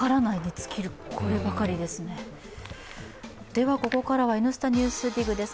ではここからは「Ｎスタ・ＮＥＷＳＤＩＧ」です。